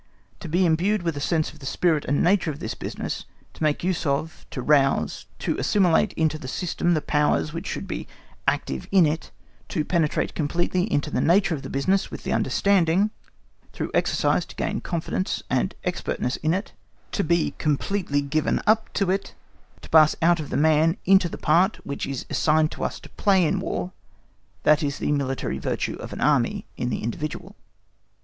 —To be imbued with a sense of the spirit and nature of this business, to make use of, to rouse, to assimilate into the system the powers which should be active in it, to penetrate completely into the nature of the business with the understanding, through exercise to gain confidence and expertness in it, to be completely given up to it, to pass out of the man into the part which it is assigned to us to play in War, that is the military virtue of an Army in the individual.